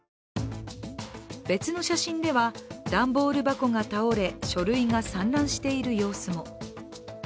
別の写真では、段ボール箱が倒れ、書類が散乱している様子も。